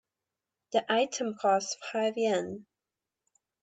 The item costs five Yen.